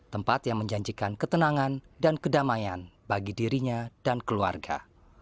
tempat yang menjanjikan ketenangan dan kedamaian bagi dirinya dan keluarga